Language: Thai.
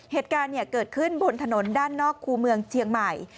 เหตุการณ์เกิดขึ้นบนถนนด้านนอกคู่เมืองเชียงใหม่